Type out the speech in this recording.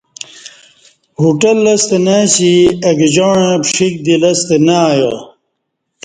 ہوٹل لستہ نہ اسے اہ گجاعں پݜیک دی لستہ نہ ایا